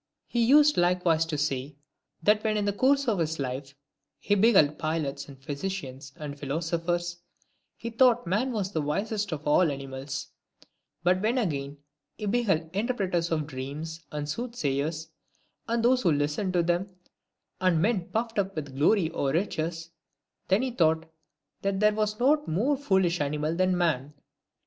He used likewise to say, " that when in the course of his life he beheld pilots, and physicians, and philosophers, he thought man the wisest of all animals ; but when again he beheld interpreters of dreams, and soothsayers, and those who listened to them, and men puffed up with glory or riches^ then he thought that there was not a more foolish animal than man."